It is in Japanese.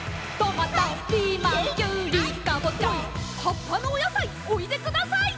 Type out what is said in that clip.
「」「葉っぱのお野菜おいでください！」